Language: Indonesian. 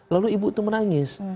lalu ibu itu menangis